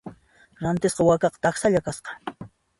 Rantisqa wakaqa taksalla kasqa.